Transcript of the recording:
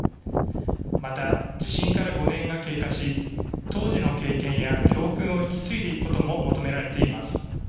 また地震から５年が経過し当時の経験や教訓を引き継いでいくことも求められています。